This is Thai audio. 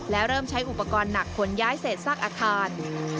และเริ่มใช้อุปกรณ์หนักขนย้ายเศษซากอาคาร